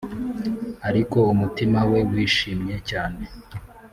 ariko umutima we wishimye cyane